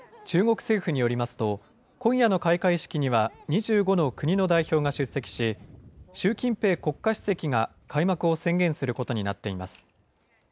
中国政府によりますと、今夜の開会式には２５の国の代表が出席し、習近平国家主席が開幕を宣言することになっています。